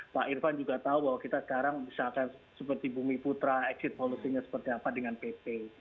pak irfan juga tahu bahwa kita sekarang misalkan seperti bumi putra exit policy nya seperti apa dengan pp